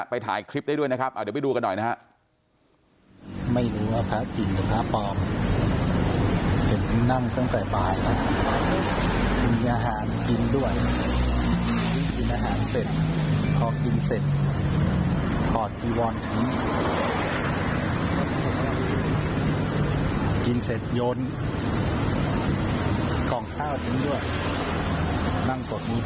ถ่ายคลิปได้ด้วยนะครับเดี๋ยวไปดูกันหน่อยนะครับ